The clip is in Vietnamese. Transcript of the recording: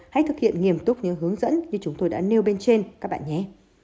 hãy thực hiện nghiêm túc những hướng dẫn như chúng tôi đã nêu bên trên các bạn nhé